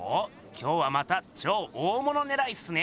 今日はまた超大物ねらいっすね。